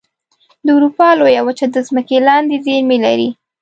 د اروپا لویه وچه د ځمکې لاندې زیرمې لري.